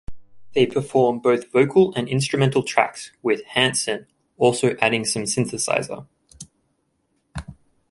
They performed both vocal and instrumental tracks, with Hansen also adding some synthesiser.